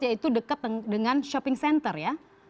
yaitu dekat dengan shopping center ya